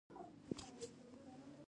د پیسو لیږد په بانکي سیستم کې خوندي وي.